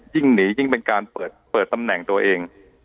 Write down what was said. ยิ่งหนียิ่งเป็นการเปิดตำแหน่งตัวเอง